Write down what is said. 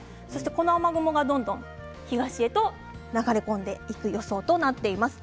この雨雲がどんどん東へと流れ込んでいく予想となっています。